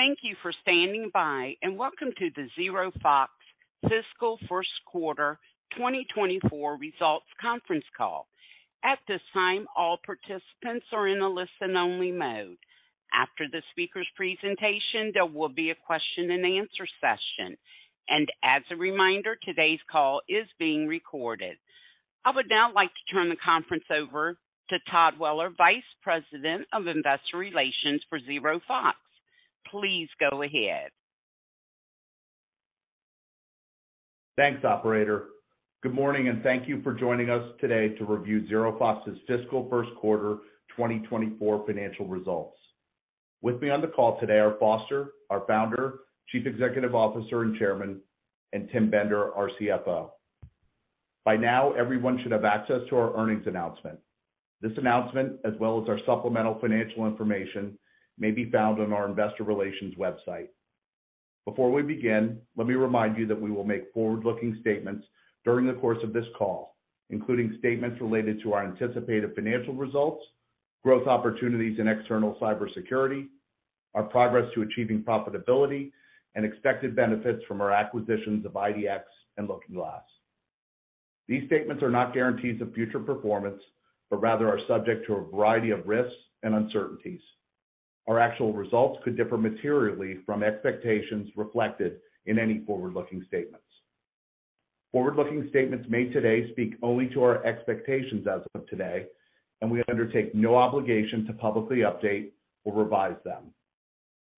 Thank you for standing by, and welcome to the ZeroFox Fiscal Q1 2024 Results Conference Call. At this time, all participants are in a listen-only mode. After the speaker's presentation, there will be a question-and-answer session. As a reminder, today's call is being recorded. I would now like to turn the conference over to Todd Weller, Vice President of Investor Relations for ZeroFox. Please go ahead. Thanks, operator. Good morning, thank you for joining us today to review ZeroFox's Fiscal Q1 2024 Financial Results. With me on the call today are Foster, our Founder, Chief Executive Officer, and Chairman, Tim Bender, our CFO. By now, everyone should have access to our earnings announcement. This announcement, as well as our supplemental financial information, may be found on our investor relations website. Before we begin, let me remind you that we will make forward-looking statements during the course of this call, including statements related to our anticipated financial results, growth opportunities in external cybersecurity, our progress to achieving profitability, and expected benefits from our acquisitions of IDX and LookingGlass. These statements are not guarantees of future performance, rather are subject to a variety of risks and uncertainties. Our actual results could differ materially from expectations reflected in any forward-looking statements. Forward-looking statements made today speak only to our expectations as of today, and we undertake no obligation to publicly update or revise them.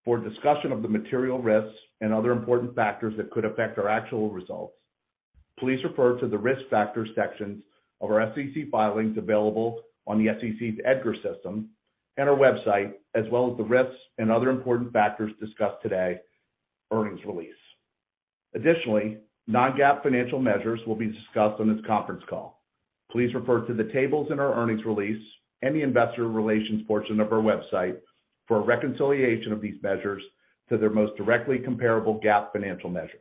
For a discussion of the material risks and other important factors that could affect our actual results, please refer to the Risk Factors sections of our SEC filings available on the SEC's EDGAR system and our website, as well as the risks and other important factors discussed today, earnings release. Additionally, non-GAAP financial measures will be discussed on this conference call. Please refer to the tables in our earnings release and the investor relations portion of our website for a reconciliation of these measures to their most directly comparable GAAP financial measure.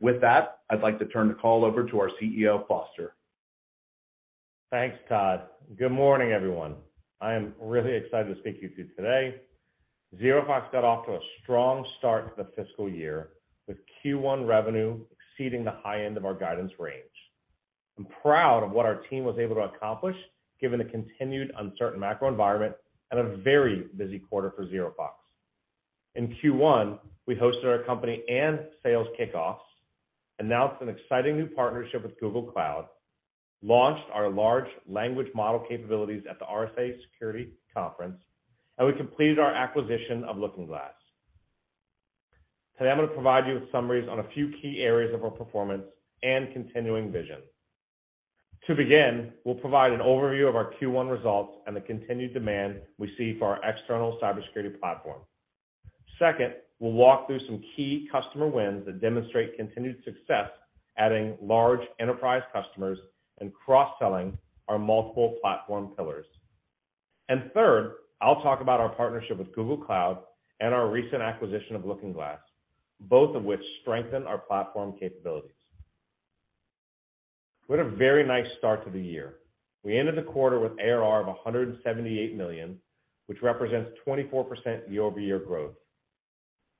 With that, I'd like to turn the call over to our CEO, Foster. Thanks, Todd. Good morning, everyone. I am really excited to speak with you today. ZeroFox got off to a strong start to the fiscal year, with Q1 revenue exceeding the high end of our guidance range. I'm proud of what our team was able to accomplish, given the continued uncertain macro environment and a very busy quarter for ZeroFox. In Q1, we hosted our company and sales kickoffs, announced an exciting new partnership with Google Cloud, launched our large language model capabilities at the RSA Conference, we completed our acquisition of LookingGlass. Today, I'm going to provide you with summaries on a few key areas of our performance and continuing vision. To begin, we'll provide an overview of our Q1 results and the continued demand we see for our external cybersecurity platform. Second, we'll walk through some key customer wins that demonstrate continued success, adding large enterprise customers and cross-selling our multiple platform pillars. Third, I'll talk about our partnership with Google Cloud and our recent acquisition of LookingGlass, both of which strengthen our platform capabilities. We had a very nice start to the year. We ended the quarter with ARR of $178 million, which represents 24% year-over-year growth.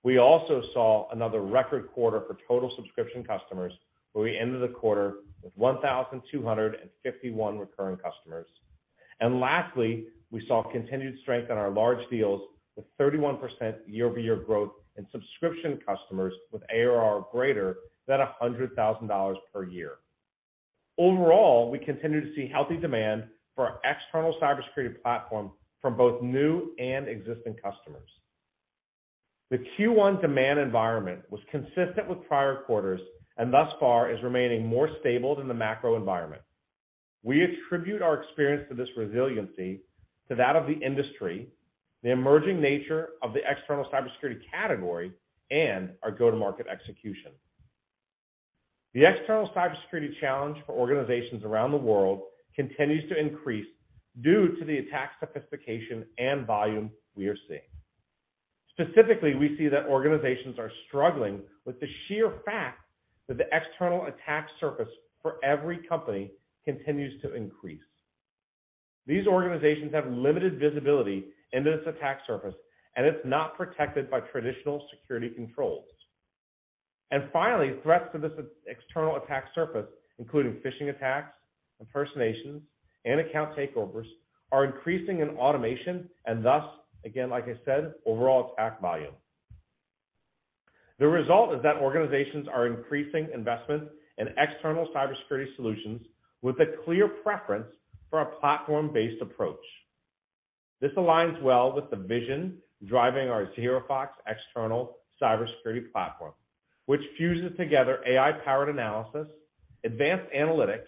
We also saw another record quarter for total subscription customers, where we ended the quarter with 1,251 recurring customers. Lastly, we saw continued strength in our large deals, with 31% year-over-year growth in subscription customers with ARR greater than $100,000 per year. Overall, we continue to see healthy demand for our external cybersecurity platform from both new and existing customers. The Q1 demand environment was consistent with prior quarters and thus far is remaining more stable than the macro environment. We attribute our experience to this resiliency to that of the industry, the emerging nature of the external cybersecurity category, and our go-to-market execution. The external cybersecurity challenge for organizations around the world continues to increase due to the attack sophistication and volume we are seeing. Specifically, we see that organizations are struggling with the sheer fact that the external attack surface for every company continues to increase. These organizations have limited visibility into this attack surface, and it's not protected by traditional security controls. Finally, threats to this external attack surface, including phishing attacks, impersonations, and account takeovers, are increasing in automation and thus, again, like I said, overall attack volume. The result is that organizations are increasing investment in external cybersecurity solutions with a clear preference for a platform-based approach. This aligns well with the vision driving our ZeroFox external cybersecurity platform, which fuses together AI-powered analysis, advanced analytics,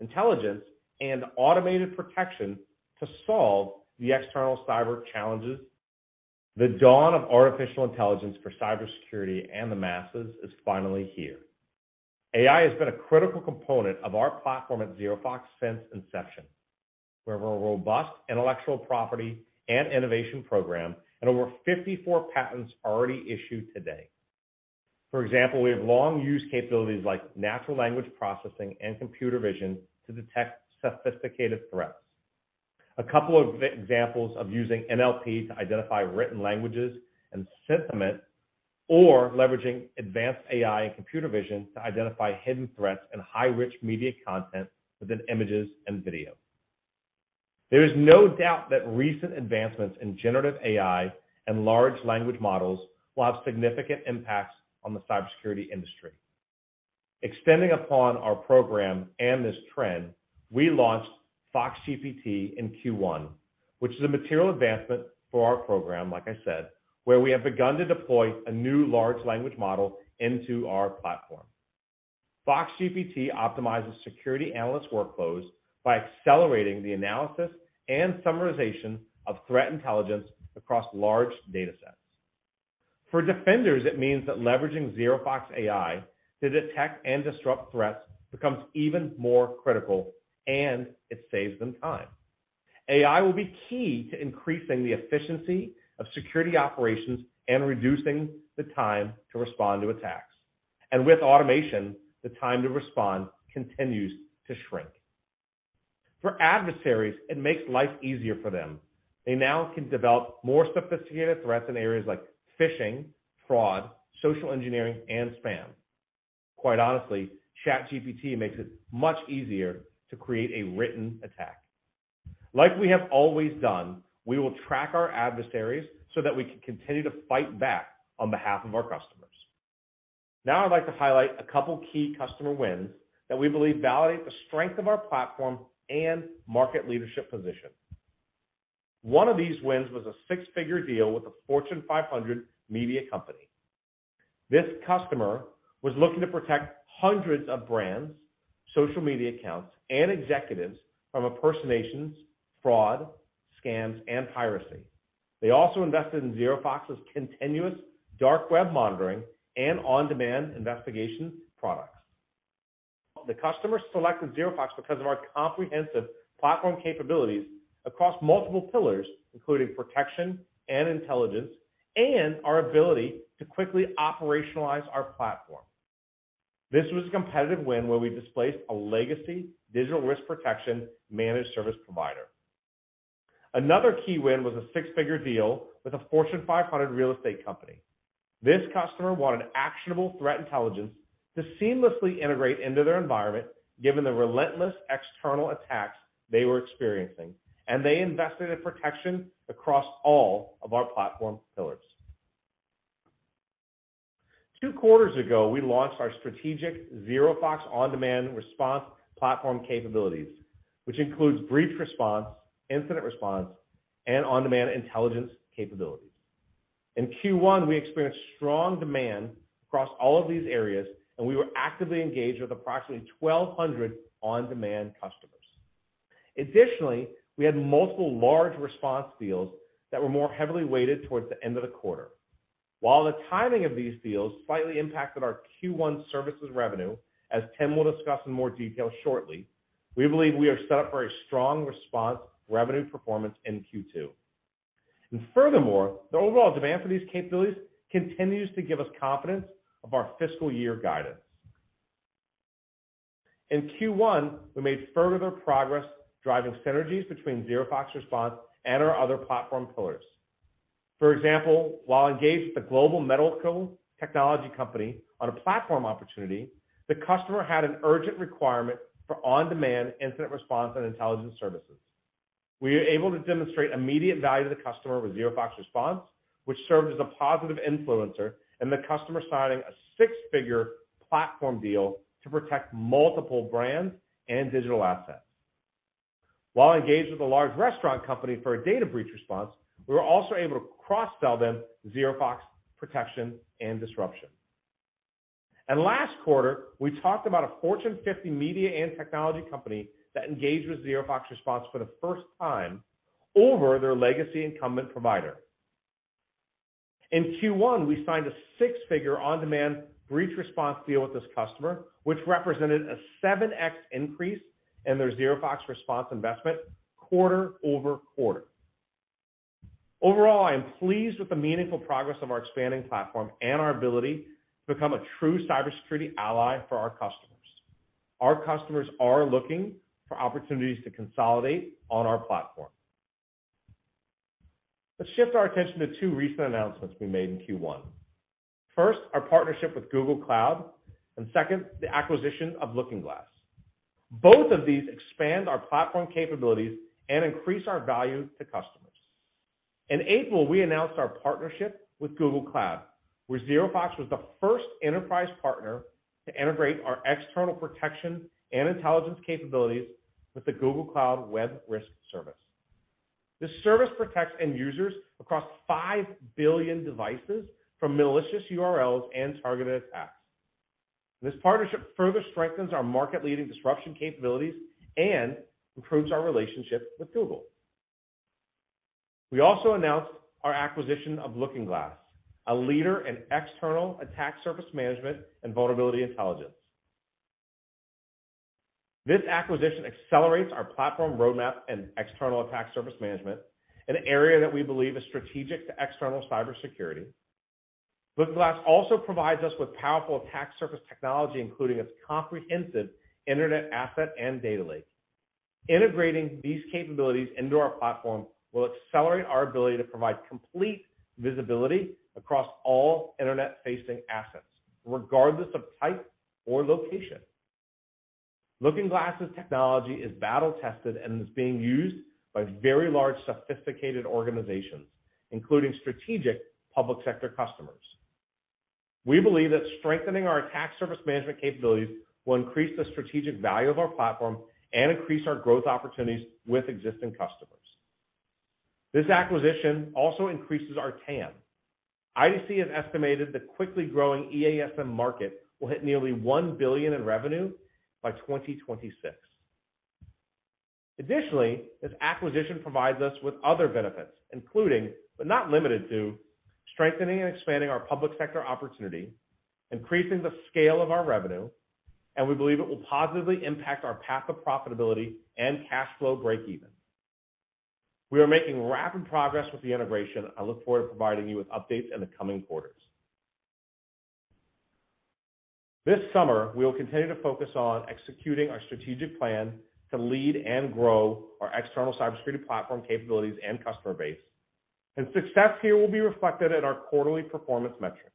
intelligence, and automated protection to solve the external cyber challenges. The dawn of artificial intelligence for cybersecurity and the masses is finally here. AI has been a critical component of our platform at ZeroFox since inception. We have a robust intellectual property and innovation program and over 54 patents already issued today. For example, we have long used capabilities like natural language processing and computer vision to detect sophisticated threats... A couple of examples of using NLP to identify written languages and sentiment, or leveraging advanced AI and computer vision to identify hidden threats and high rich media content within images and video. There is no doubt that recent advancements in generative AI and large language models will have significant impacts on the cybersecurity industry. Extending upon our program and this trend, we launched FoxGPT in Q1, which is a material advancement for our program, like I said, where we have begun to deploy a new large language model into our platform. FoxGPT optimizes security analyst workflows by accelerating the analysis and summarization of threat intelligence across large data sets. For defenders, it means that leveraging ZeroFox AI to detect and disrupt threats becomes even more critical, and it saves them time. AI will be key to increasing the efficiency of security operations and reducing the time to respond to attacks, and with automation, the time to respond continues to shrink. For adversaries, it makes life easier for them. They now can develop more sophisticated threats in areas like phishing, fraud, social engineering, and spam. Quite honestly, ChatGPT makes it much easier to create a written attack. Like we have always done, we will track our adversaries so that we can continue to fight back on behalf of our customers. I'd like to highlight a couple key customer wins that we believe validate the strength of our platform and market leadership position. One of these wins was a six-figure deal with a Fortune 500 media company. This customer was looking to protect hundreds of brands, social media accounts, and executives from impersonations, fraud, scams, and piracy. They also invested in ZeroFox's continuous dark web monitoring and on-demand investigation products. The customer selected ZeroFox because of our comprehensive platform capabilities across multiple pillars, including protection and intelligence, and our ability to quickly operationalize our platform. This was a competitive win where we displaced a legacy digital risk protection managed service provider. Another key win was a six-figure deal with a Fortune 500 real estate company. This customer wanted actionable threat intelligence to seamlessly integrate into their environment, given the relentless external attacks they were experiencing. They invested in protection across all of our platform pillars. Two quarters ago, we launched our strategic ZeroFox on-demand response platform capabilities, which includes breach response, incident response, and on-demand intelligence capabilities. In Q1, we experienced strong demand across all of these areas. We were actively engaged with approximately 1,200 on-demand customers. Additionally, we had multiple large response deals that were more heavily weighted towards the end of the quarter. While the timing of these deals slightly impacted our Q1 services revenue, as Tim will discuss in more detail shortly, we believe we are set up for a strong response revenue performance in Q2. Furthermore, the overall demand for these capabilities continues to give us confidence of our fiscal year guidance. In Q1, we made further progress driving synergies between ZeroFox Response and our other platform pillars. For example, while engaged with a global medical technology company on a platform opportunity, the customer had an urgent requirement for on-demand incident response and intelligence services. We were able to demonstrate immediate value to the customer with ZeroFox Response, which served as a positive influencer in the customer signing a six-figure platform deal to protect multiple brands and digital assets. While engaged with a large restaurant company for a data breach response, we were also able to cross-sell them ZeroFox protection and disruption. Last quarter, we talked about a Fortune 50 media and technology company that engaged with ZeroFox Response for the first time over their legacy incumbent provider. In Q1, we signed a six-figure on-demand breach response deal with this customer, which represented a 7x increase in their ZeroFox Response investment quarter-over-quarter. Overall, I am pleased with the meaningful progress of our expanding platform and our ability to become a true cybersecurity ally for our customers. Our customers are looking for opportunities to consolidate on our platform. Let's shift our attention to two recent announcements we made in Q1. First, our partnership with Google Cloud, and second, the acquisition of LookingGlass. Both of these expand our platform capabilities and increase our value to customers. In April, we announced our partnership with Google Cloud, where ZeroFox was the first enterprise partner to integrate our external protection and intelligence capabilities with the Google Cloud Web Risk Service. This service protects end users across 5 billion devices from malicious URLs and targeted attacks. This partnership further strengthens our market-leading disruption capabilities and improves our relationship with Google. We also announced our acquisition of LookingGlass, a leader in external attack surface management and vulnerability intelligence. This acquisition accelerates our platform roadmap and external attack surface management, an area that we believe is strategic to external cybersecurity. LookingGlass also provides us with powerful attack surface technology, including its comprehensive internet asset and data lake. Integrating these capabilities into our platform will accelerate our ability to provide complete visibility across all internet-facing assets, regardless of type or location. LookingGlass's technology is battle-tested and is being used by very large, sophisticated organizations, including strategic public sector customers. We believe that strengthening our attack surface management capabilities will increase the strategic value of our platform and increase our growth opportunities with existing customers. This acquisition also increases our TAM. IDC has estimated the quickly growing EASM market will hit nearly $1 billion in revenue by 2026. Additionally, this acquisition provides us with other benefits, including, but not limited to, strengthening and expanding our public sector opportunity, increasing the scale of our revenue, and we believe it will positively impact our path of profitability and cash flow breakeven. We are making rapid progress with the integration. I look forward to providing you with updates in the coming quarters. This summer, we will continue to focus on executing our strategic plan to lead and grow our external cybersecurity platform capabilities and customer base, and success here will be reflected in our quarterly performance metrics.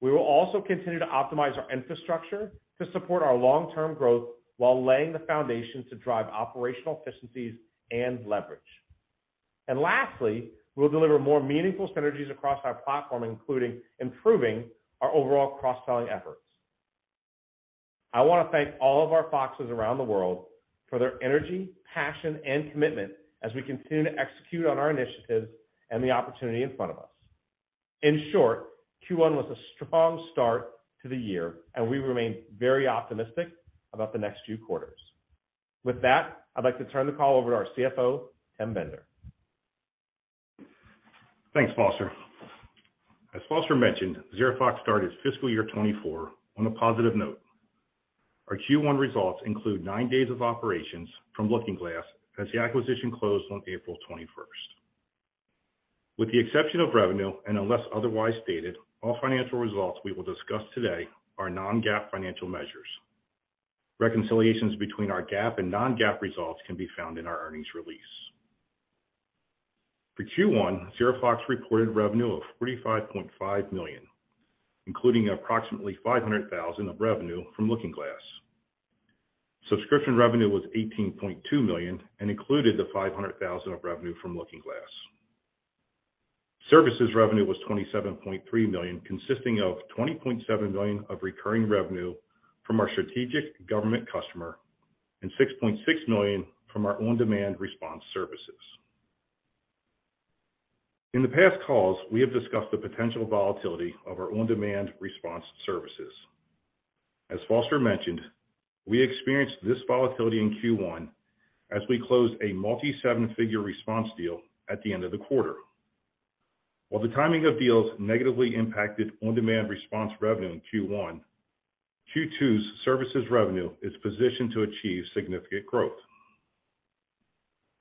We will also continue to optimize our infrastructure to support our long-term growth, while laying the foundation to drive operational efficiencies and leverage. Lastly, we'll deliver more meaningful synergies across our platform, including improving our overall cross-selling efforts. I want to thank all of our Foxes around the world for their energy, passion, and commitment as we continue to execute on our initiatives and the opportunity in front of us. In short, Q1 was a strong start to the year, and we remain very optimistic about the next few quarters. With that, I'd like to turn the call over to our CFO, Tim Bender. Thanks, Foster. As Foster mentioned, ZeroFox started fiscal year 2024 on a positive note. Our Q1 results include nine days of operations from LookingGlass, as the acquisition closed on April 21st. With the exception of revenue, and unless otherwise stated, all financial results we will discuss today are non-GAAP financial measures. Reconciliations between our GAAP and non-GAAP results can be found in our earnings release. For Q1, ZeroFox reported revenue of $45.5 million, including approximately $500,000 of revenue from LookingGlass. Subscription revenue was $18.2 million and included the $500,000 of revenue from LookingGlass. Services revenue was $27.3 million, consisting of $20.7 million of recurring revenue from our strategic government customer and $6.6 million from our on-demand response services. In the past calls, we have discussed the potential volatility of our on-demand response services. As Foster mentioned, we experienced this volatility in Q1 as we closed a multi-seven-figure response deal at the end of the quarter. While the timing of deals negatively impacted on-demand response revenue in Q1, Q2's services revenue is positioned to achieve significant growth.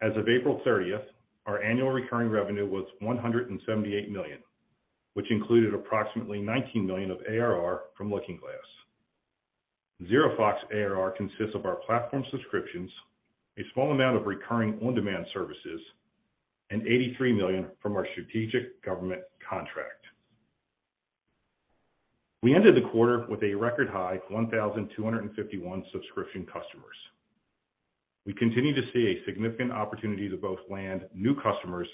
As of April 30th, our annual recurring revenue was $178 million, which included approximately $19 million of ARR from LookingGlass. ZeroFox ARR consists of our platform subscriptions, a small amount of recurring on-demand services, and $83 million from our strategic government contract. We ended the quarter with a record high, 1,251 subscription customers. We continue to see a significant opportunity to both land new customers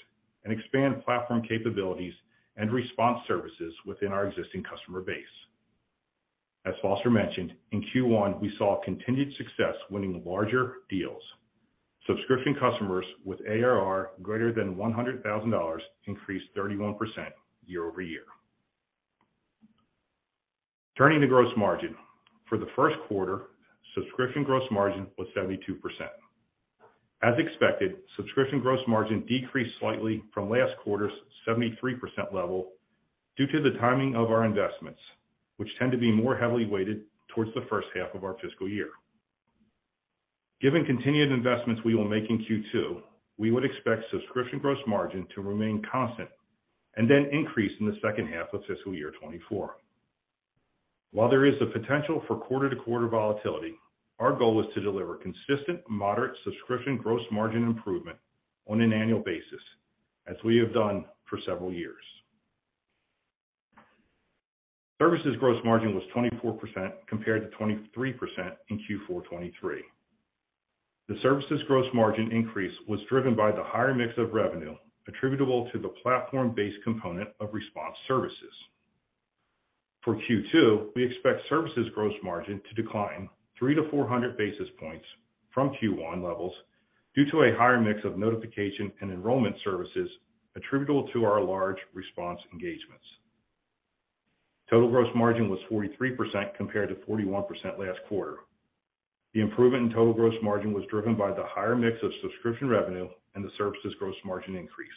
and expand platform capabilities and response services within our existing customer base. As Foster mentioned, in Q1, we saw continued success winning larger deals. Subscription customers with ARR greater than $100,000 increased 31% year-over-year. Turning to gross margin. For the first quarter, subscription gross margin was 72%. As expected, subscription gross margin decreased slightly from last quarter's 73% level due to the timing of our investments, which tend to be more heavily weighted towards the first half of our fiscal year. Given continued investments we will make in Q2, we would expect subscription gross margin to remain constant and then increase in the second half of fiscal year 2024. While there is the potential for quarter-to-quarter volatility, our goal is to deliver consistent, moderate subscription gross margin improvement on an annual basis, as we have done for several years. Services gross margin was 24%, compared to 23% in Q4 2023. The services gross margin increase was driven by the higher mix of revenue attributable to the platform-based component of response services. For Q2, we expect services gross margin to decline 300-400 basis points from Q1 levels due to a higher mix of notification and enrollment services attributable to our large response engagements. Total gross margin was 43%, compared to 41% last quarter. The improvement in total gross margin was driven by the higher mix of subscription revenue and the services gross margin increase.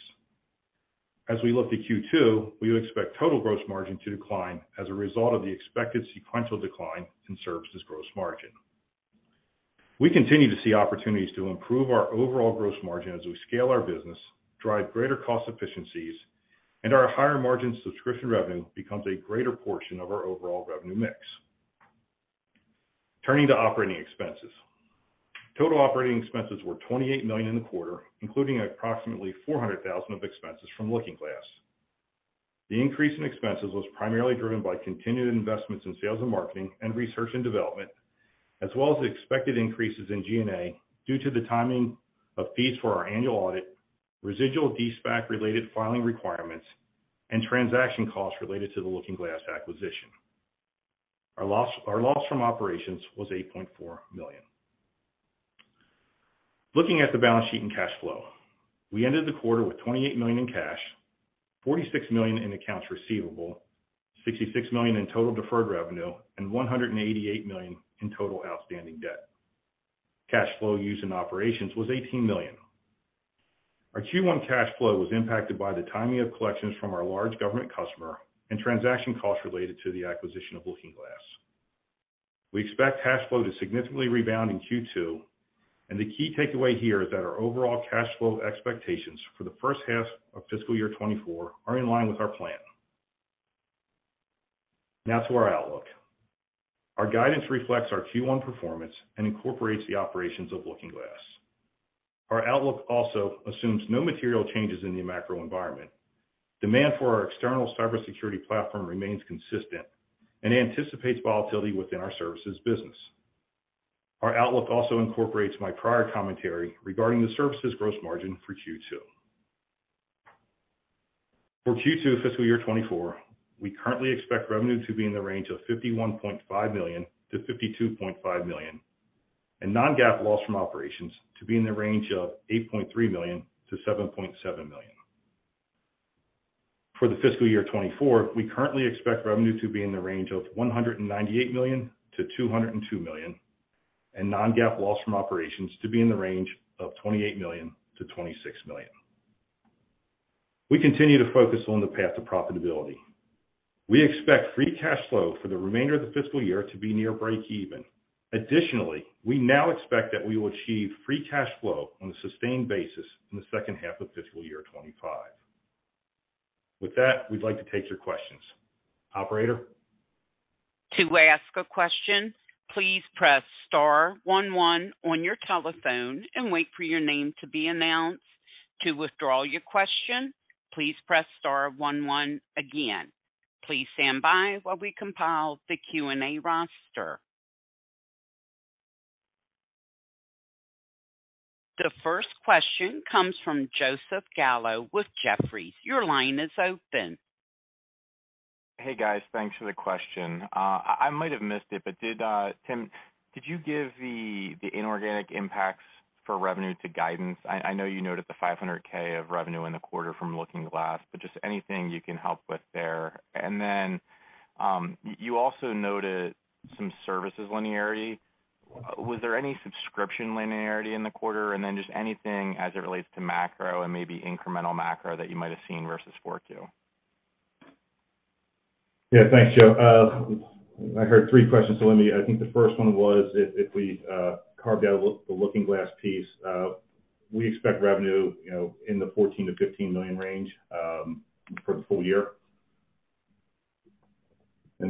As we look to Q2, we would expect total gross margin to decline as a result of the expected sequential decline in services gross margin. We continue to see opportunities to improve our overall gross margin as we scale our business, drive greater cost efficiencies, and our higher margin subscription revenue becomes a greater portion of our overall revenue mix. Turning to operating expenses. Total operating expenses were $28 million in the quarter, including approximately $400 thousand of expenses from LookingGlass. The increase in expenses was primarily driven by continued investments in sales and marketing and research and development, as well as expected increases in G&A due to the timing of fees for our annual audit, residual de-SPAC related filing requirements, and transaction costs related to the LookingGlass acquisition. Our loss from operations was $8.4 million. Looking at the balance sheet and cash flow. We ended the quarter with $28 million in cash, $46 million in accounts receivable, $66 million in total deferred revenue, and $188 million in total outstanding debt. Cash flow used in operations was $18 million. Our Q1 cash flow was impacted by the timing of collections from our large government customer and transaction costs related to the acquisition of LookingGlass. We expect cash flow to significantly rebound in Q2. The key takeaway here is that our overall cash flow expectations for the first half of fiscal year 2024 are in line with our plan. To our outlook. Our guidance reflects our Q1 performance and incorporates the operations of LookingGlass. Our outlook also assumes no material changes in the macro environment. Demand for our external cybersecurity platform remains consistent and anticipates volatility within our services business. Our outlook also incorporates my prior commentary regarding the services gross margin for Q2. For Q2 fiscal year 2024, we currently expect revenue to be in the range of $51.5 million-$52.5 million, and non-GAAP loss from operations to be in the range of $8.3 million-$7.7 million. For the fiscal year 2024, we currently expect revenue to be in the range of $198 million-$202 million, and non-GAAP loss from operations to be in the range of $28 million-$26 million. We continue to focus on the path to profitability. We expect free cash flow for the remainder of the fiscal year to be near breakeven. We now expect that we will achieve free cash flow on a sustained basis in the second half of fiscal year 2025. With that, we'd like to take your questions. Operator? To ask a question, please press star one one on your telephone and wait for your name to be announced. To withdraw your question, please press star one one again. Please stand by while we compile the Q&A roster. The first question comes from Joseph Gallo with Jefferies. Your line is open. Hey, guys, thanks for the question. I might have missed it, but did Tim, could you give the inorganic impacts for revenue to guidance? I know you noted the $500K of revenue in the quarter from LookingGlass, but just anything you can help with there. You also noted some services linearity. Was there any subscription linearity in the quarter? Just anything as it relates to macro and maybe incremental macro that you might have seen versus 4Q. Yeah, thanks, Joe. I heard three questions, I think the first one was if we carved out the LookingGlass piece, we expect revenue, you know, in the $14 million-$15 million range for the full-year. As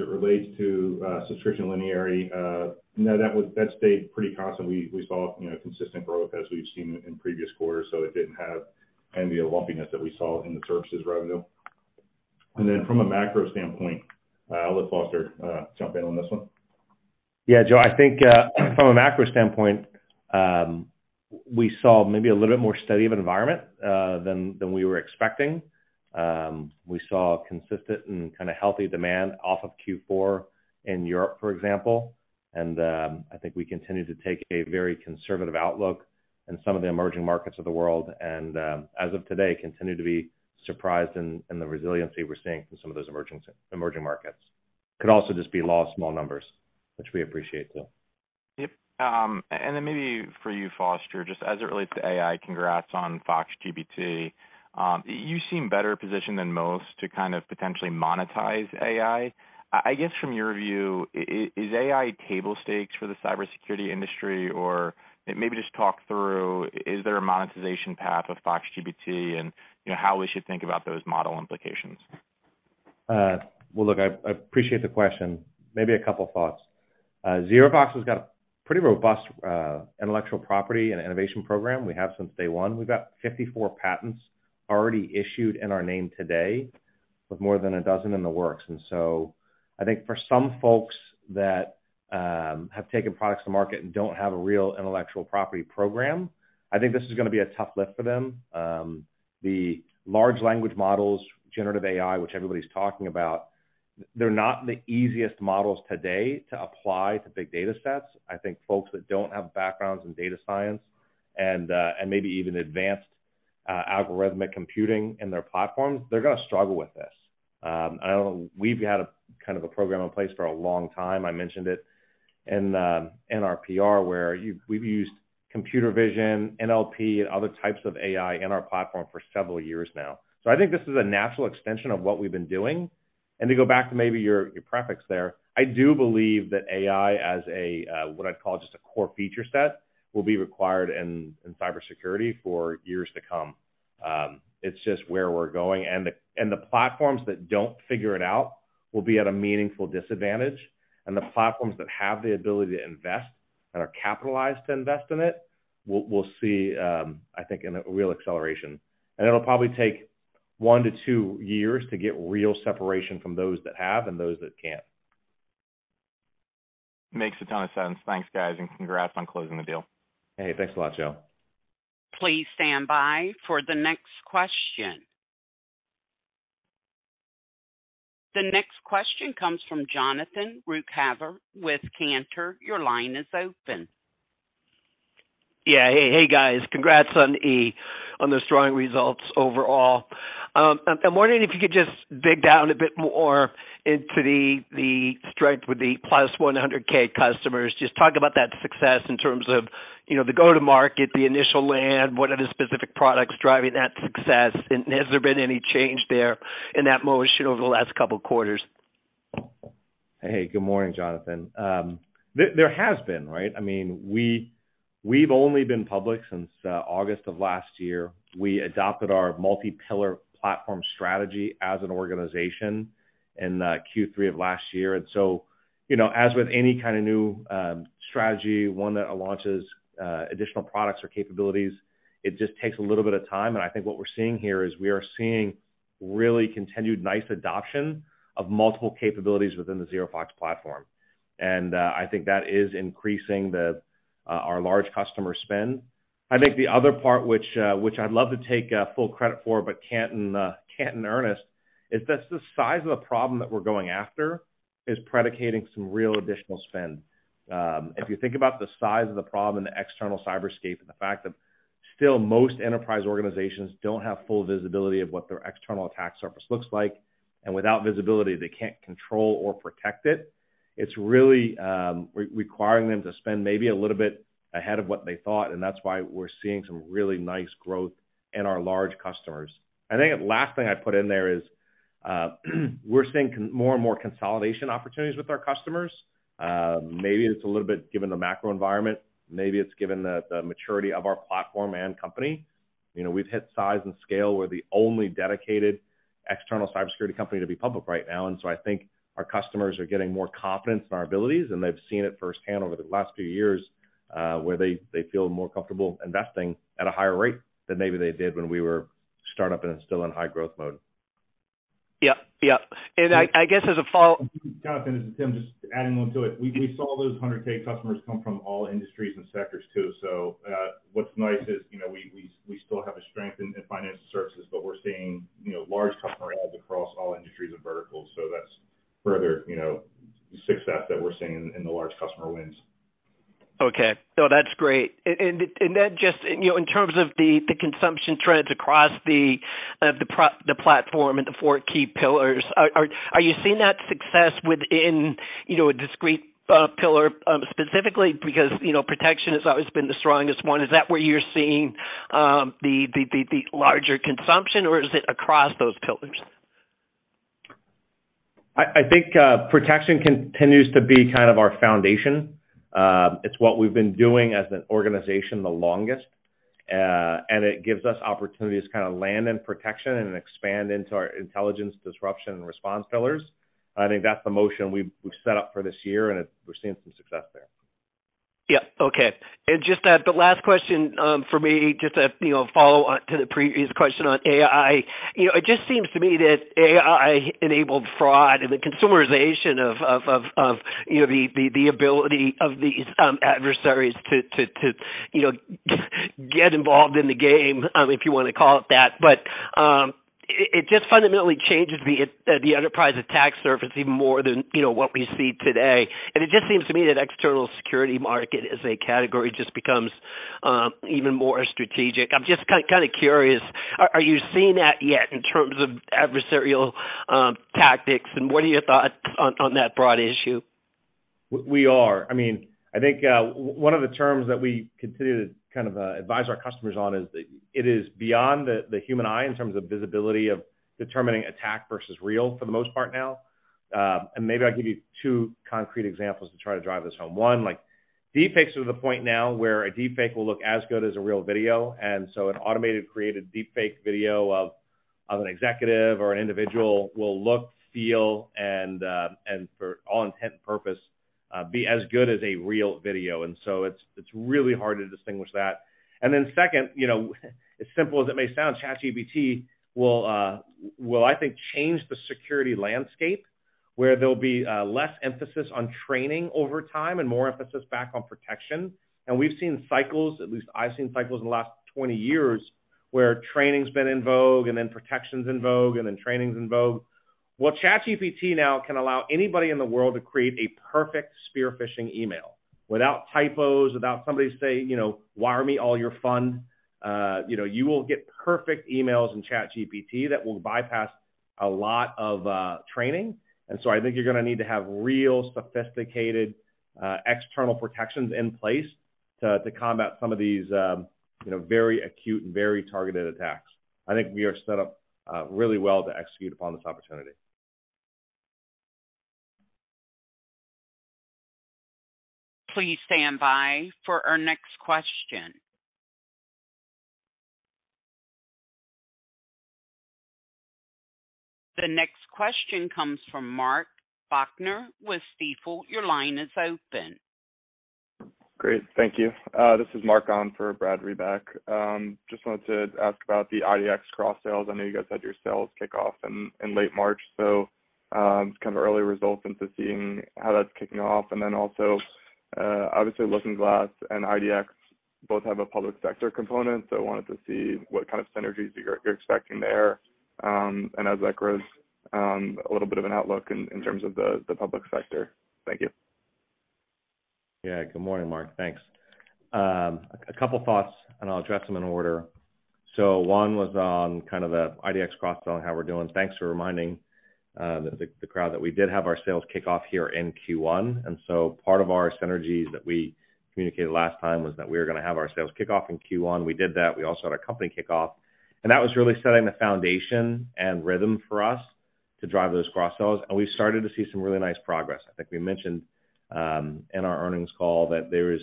it relates to subscription linearity, no, that stayed pretty constant. We saw, you know, consistent growth as we've seen in previous quarters, so it didn't have any of the lumpiness that we saw in the services revenue. From a macro standpoint, I'll let Foster jump in on this one. Yeah, Joe, I think, from a macro standpoint, we saw maybe a little bit more steady of environment, than we were expecting. We saw consistent and kind of healthy demand off of Q4 in Europe, for example. I think we continue to take a very conservative outlook in some of the emerging markets of the world, and, as of today, continue to be surprised in the resiliency we're seeing from some of those emerging markets. Could also just be law of small numbers, which we appreciate too. Yep. Maybe for you, Foster, just as it relates to AI, congrats on FoxGPT. You seem better positioned than most to kind of potentially monetize AI. I guess from your view, is AI table stakes for the cybersecurity industry? Maybe just talk through, is there a monetization path with FoxGPT and, you know, how we should think about those model implications? Well, look, I appreciate the question. Maybe a couple of thoughts. ZeroFox has got a pretty robust intellectual property and innovation program. We have since day one. We've got 54 patents already issued in our name today, with more than a dozen in the works. I think for some folks that have taken products to market and don't have a real intellectual property program, I think this is gonna be a tough lift for them. The large language models, generative AI, which everybody's talking about, they're not the easiest models today to apply to big data sets. I think folks that don't have backgrounds in data science and maybe even advanced algorithmic computing in their platforms, they're gonna struggle with this. I don't know, we've had a kind of a program in place for a long time. I mentioned it in our PR, where we've used computer vision, NLP, and other types of AI in our platform for several years now. I think this is a natural extension of what we've been doing. To go back to maybe your preface there, I do believe that AI as a, what I'd call just a core feature set, will be required in cybersecurity for years to come. It's just where we're going, and the, and the platforms that don't figure it out will be at a meaningful disadvantage, and the platforms that have the ability to invest and are capitalized to invest in it, we'll see, I think in a real acceleration. It'll probably take one to two years to get real separation from those that have and those that can't. Makes a ton of sense. Thanks, guys, and congrats on closing the deal. Hey, thanks a lot, Joe. Please stand by for the next question. The next question comes from Jonathan Ruykhaver with Cantor. Your line is open. Yeah. Hey, guys. Congrats on the strong results overall. I'm wondering if you could just dig down a bit more into the strength with the plus 100K customers. Just talk about that success in terms of, you know, the go-to-market, the initial land, what are the specific products driving that success? Has there been any change there in that motion over the last couple of quarters? Hey, good morning, Jonathan. There has been, right? I mean, we've only been public since August of last year. We adopted our multi-pillar platform strategy as an organization in Q3 of last year. You know, as with any kind of new strategy, one that launches additional products or capabilities, it just takes a little bit of time. I think what we're seeing here is we are seeing really continued nice adoption of multiple capabilities within the ZeroFox platform. I think that is increasing the, our large customer spend. I think the other part which I'd love to take full credit for, but can't in earnest, is that the size of the problem that we're going after is predicating some real additional spend. If you think about the size of the problem in the external cyberscape, the fact that still most enterprise organizations don't have full visibility of what their external attack surface looks like, without visibility, they can't control or protect it's really requiring them to spend maybe a little bit ahead of what they thought, that's why we're seeing some really nice growth in our large customers. I think the last thing I'd put in there is, we're seeing more and more consolidation opportunities with our customers. Maybe it's a little bit given the macro environment, maybe it's given the maturity of our platform and company. You know, we've hit size and scale. We're the only dedicated external cybersecurity company to be public right now, and so I think our customers are getting more confidence in our abilities, and they've seen it firsthand over the last few years, where they feel more comfortable investing at a higher rate than maybe they did when we were a startup and still in high growth mode. Yep, yep. I guess as a follow- Jonathan, this is Tim, just adding on to it. We saw those 100K customers come from all industries and sectors, too. What's nice is, you know, we still have a strength in financial services, but we're seeing, you know, large customer adds across all industries and verticals, so that's further, you know, success that we're seeing in the large customer wins. Okay. No, that's great. That just. You know, in terms of the consumption trends across the platform and the four key pillars, are you seeing that success within, you know, a discrete pillar specifically? You know, protection has always been the strongest one. Is that where you're seeing the larger consumption, or is it across those pillars? I think protection continues to be kind of our foundation. It's what we've been doing as an organization the longest, and it gives us opportunities to kind of land in protection and expand into our intelligence, disruption, and response pillars. I think that's the motion we've set up for this year, and we're seeing some success there. Yep. Okay. Just the last question from me, just to, you know, follow on to the previous question on AI. You know, it just seems to me that AI enabled fraud and the consumerization of, you know, the ability of these adversaries to, you know, get involved in the game, if you wanna call it that. It just fundamentally changes the enterprise attack surface even more than, you know, what we see today. It just seems to me that external cybersecurity market, as a category, just becomes even more strategic. I'm just kind of curious, are you seeing that yet in terms of adversarial tactics? What are your thoughts on that broad issue? We are. I mean, I think, one of the terms that we continue to advise our customers on is that it is beyond the human eye in terms of visibility of determining attack versus real, for the most part now. Maybe I'll give you two concrete examples to try to drive this home. One, like, deepfakes are to the point now where a deepfake will look as good as a real video, and so an automated created deepfake video of an executive or an individual will look, feel, and for all intent and purpose be as good as a real video. It's really hard to distinguish that. Second, you know, as simple as it may sound, ChatGPT will, I think, change the security landscape, where there'll be less emphasis on training over time and more emphasis back on protection. We've seen cycles, at least I've seen cycles in the last 20 years, where training's been in vogue, and then protection's in vogue, and then training's in vogue. ChatGPT now can allow anybody in the world to create a perfect spear-phishing email without typos, without somebody say, you know, "Wire me all your fund." You know, you will get perfect emails in ChatGPT that will bypass a lot of training. I think you're gonna need to have real sophisticated external protections in place to combat some of these, you know, very acute and very targeted attacks. I think we are set up, really well to execute upon this opportunity. Please stand by for our next question. The next question comes from Marc Bachner with Stifel. Your line is open. Great, thank you. This is Marc on for Brad Reback. Just wanted to ask about the IDX cross sales. I know you guys had your sales kickoff in late March, so just kind of early results into seeing how that's kicking off. Also, obviously, LookingGlass and IDX both have a public sector component, so I wanted to see what kind of synergies you're expecting there. As that grows, a little bit of an outlook in terms of the public sector. Thank you. Yeah. Good morning, Marc. Thanks. A couple thoughts, and I'll address them in order. One was on kind of the IDX cross-sell and how we're doing. Thanks for reminding the crowd that we did have our sales kickoff here in Q1. Part of our synergies that we communicated last time was that we were gonna have our sales kickoff in Q1. We did that. We also had our company kickoff. That was really setting the foundation and rhythm for us to drive those cross-sells. We started to see some really nice progress. I think we mentioned in our earnings call that there was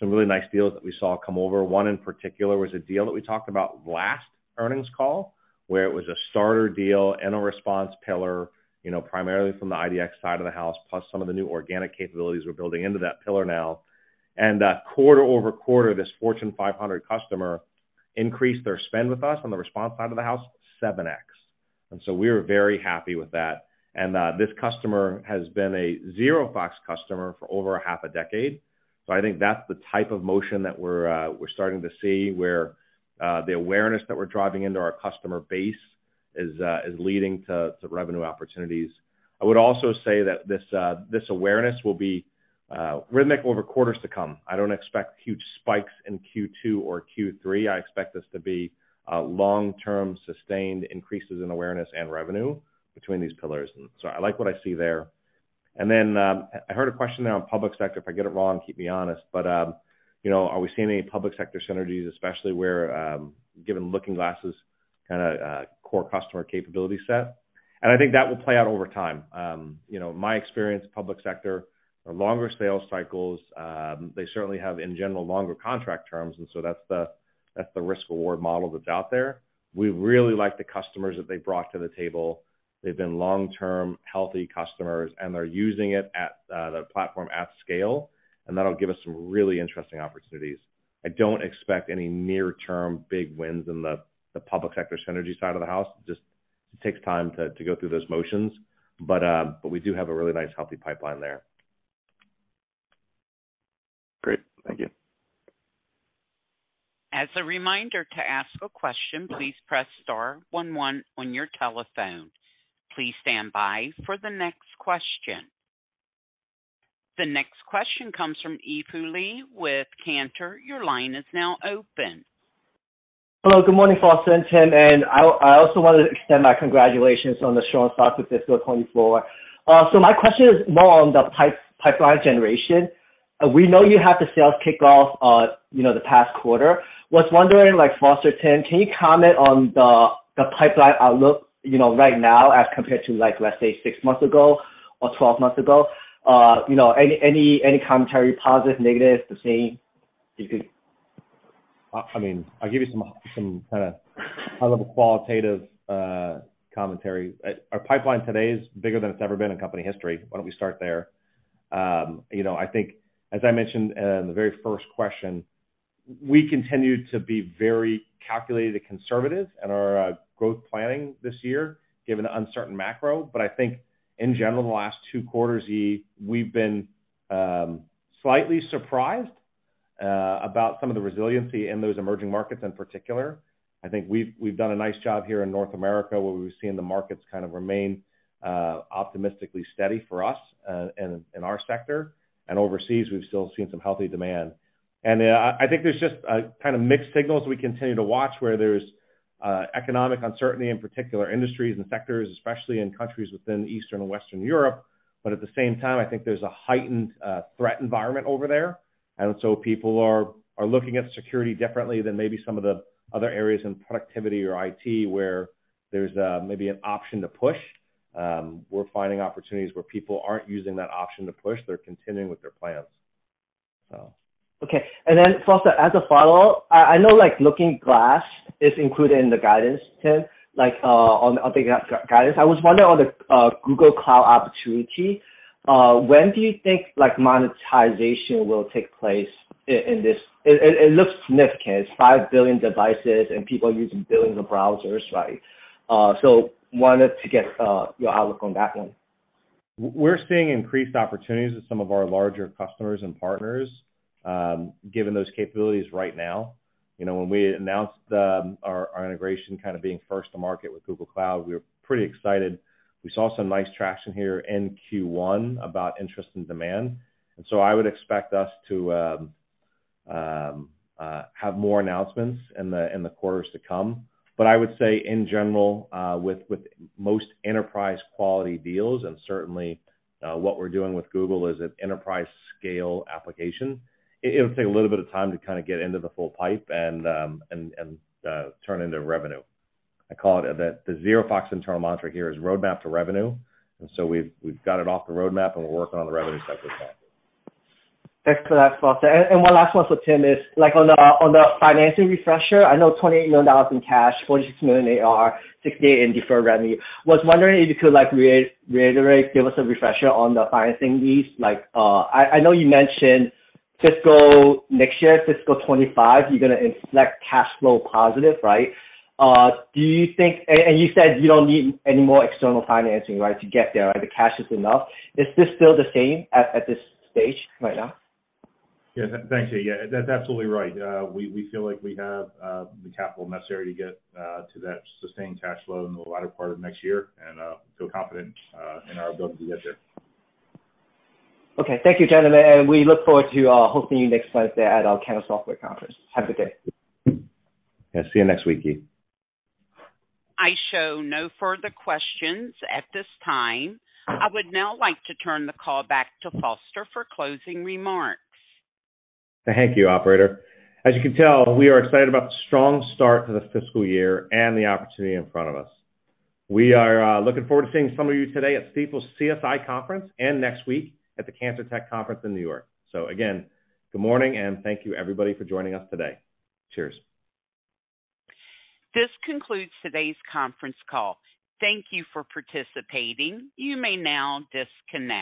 some really nice deals that we saw come over. One in particular was a deal that we talked about last earnings call, where it was a starter deal and a Response pillar, you know, primarily from the IDX side of the house, plus some of the new organic capabilities we're building into that pillar now. Quarter-over-quarter, this Fortune 500 customer increased their spend with us on the Response side of the house, 7x. We were very happy with that. This customer has been a ZeroFox customer for over a half a decade. I think that's the type of motion that we're starting to see, where the awareness that we're driving into our customer base is leading to revenue opportunities. I would also say that this awareness will be rhythmic over quarters to come. I don't expect huge spikes in Q2 or Q3. I expect this to be long-term, sustained increases in awareness and revenue between these pillars. I like what I see there. I heard a question now on public sector. If I get it wrong, keep me honest, you know, are we seeing any public sector synergies, especially where, given LookingGlass's kinda core customer capability set? I think that will play out over time. You know, my experience, public sector are longer sales cycles. They certainly have, in general, longer contract terms, that's the risk-reward model that's out there. We really like the customers that they've brought to the table. They've been long-term, healthy customers, and they're using it at the platform at scale, that'll give us some really interesting opportunities. I don't expect any near-term big wins in the public sector synergy side of the house. Just takes time to go through those motions. We do have a really nice, healthy pipeline there. Great. Thank you. As a reminder, to ask a question, please press star one one on your telephone. Please stand by for the next question. The next question comes from Yi Fu Lee with Cantor. Your line is now open. Hello, good morning, Foster and Tim, I also wanted to extend my congratulations on the strong start to fiscal 2024. My question is more on the pipeline generation. We know you have the sales kickoff, you know, the past quarter. Was wondering, like, Foster, Tim, can you comment on the pipeline outlook, you know, right now as compared to, like, let's say, 6 months ago or 12 months ago? You know, any commentary, positive, negative, the same, you could. I mean, I'll give you some kinda high-level qualitative commentary. Our pipeline today is bigger than it's ever been in company history. Why don't we start there? You know, I think as I mentioned in the very first question, we continue to be very calculated and conservative in our growth planning this year, given the uncertain macro. I think in general, the last two quarters, Yi, we've been slightly surprised about some of the resiliency in those emerging markets in particular. I think we've done a nice job here in North America, where we've seen the markets kind of remain optimistically steady for us in our sector, and overseas, we've still seen some healthy demand. I think there's just kind of mixed signals we continue to watch, where there's economic uncertainty in particular industries and sectors, especially in countries within Eastern and Western Europe. At the same time, I think there's a heightened threat environment over there, and so people are looking at security differently than maybe some of the other areas in productivity or IT, where there's maybe an option to push. We're finding opportunities where people aren't using that option to push. They're continuing with their plans. Okay. Foster, as a follow-up, I know, like, LookingGlass is included in the guidance, Tim, like, on the guidance. I was wondering on the Google Cloud opportunity, when do you think, like, monetization will take place in this? It looks significant. It's 5 billion devices and people using billions of browsers, right? Wanted to get your outlook on that one. We're seeing increased opportunities with some of our larger customers and partners, given those capabilities right now. You know, when we announced our integration kind of being first to market with Google Cloud, we were pretty excited. We saw some nice traction here in Q1 about interest and demand. I would expect us to have more announcements in the quarters to come. I would say, in general, with most enterprise-quality deals, and certainly, what we're doing with Google is an enterprise-scale application, it'll take a little bit of time to kinda get into the full pipe and turn into revenue. I call it the ZeroFox internal mantra here is roadmap to revenue, and so we've got it off the roadmap, and we're working on the revenue side of that. Thanks for that, Foster. One last one for Tim is, like, on the financing refresher, I know $28 million in cash, $46 million in AR, $68 million in deferred revenue. Was wondering if you could, like, reiterate, give us a refresher on the financing lease. Like, I know you mentioned fiscal next year, fiscal 2025, you're gonna end, select cash flow positive, right? You said you don't need any more external financing, right, to get there, the cash is enough. Is this still the same at this stage right now? Yeah, thanks, Yi. Yeah, that's absolutely right. We feel like we have the capital necessary to get to that sustained cash flow in the latter part of next year and feel confident in our ability to get there. Okay. Thank you, gentlemen. We look forward to hoping you next month at our Cantor Fitzgerald Technology Conference. Have a good day. Yeah, see you next week, Yi. I show no further questions at this time. I would now like to turn the call back to Foster for closing remarks. Thank you, operator. As you can tell, we are excited about the strong start to this fiscal year and the opportunity in front of us. We are looking forward to seeing some of you today at Stifel's CSI Conference and next week at the Cantor Tech Conference in New York. Again, good morning, and thank you, everybody, for joining us today. Cheers. This concludes today's conference call. Thank you for participating. You may now disconnect.